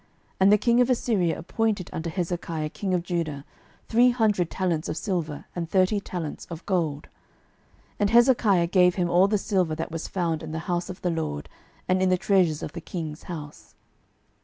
And the king of Assyria appointed unto Hezekiah king of Judah three hundred talents of silver and thirty talents of gold. 12:018:015 And Hezekiah gave him all the silver that was found in the house of the LORD, and in the treasures of the king's house.